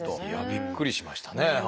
いやびっくりしましたね。